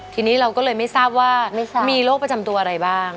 ทีนี้เราก็เลยไม่ทราบว่ามีโรคประจำตัวอะไรบ้าง